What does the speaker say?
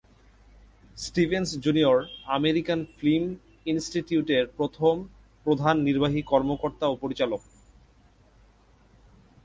Stevens junior American film ইনস্টিটিউটের প্রথম প্রধান নির্বাহী কর্মকর্তা ও পরিচালক।